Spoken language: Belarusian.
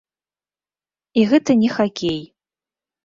І гэта не хакей.